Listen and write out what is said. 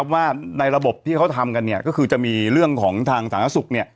ว่าในระบบที่เขาทำกันก็คือจะมีเรื่องของทางสาธารณสุข